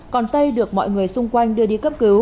còn tây được mọi người xung quanh đưa đi cấp cứu